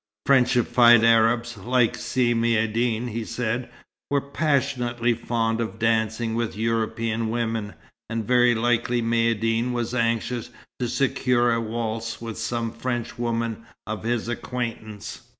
"Frenchified Arabs" like Si Maïeddine, he said, were passionately fond of dancing with European women, and very likely Maïeddine was anxious to secure a waltz with some Frenchwomen of his acquaintance.